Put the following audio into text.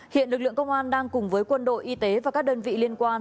hiện lực lượng công an đang cùng với quân đội y tế và các đơn vị liên quan